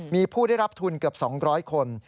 มีผู้ได้รับทุนเกือบ๒๐๐คน